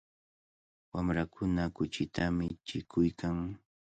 Wamrakuna kuchita michikuykan.